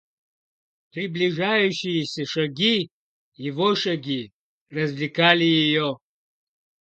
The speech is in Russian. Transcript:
Приближающиеся шаги, его шаги, развлекли ее.